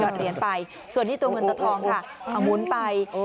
เหรียญไปส่วนนี้ตัวเงินตัวทองค่ะเอาหมุนไป